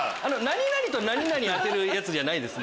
何々と何々当てるやつじゃないです。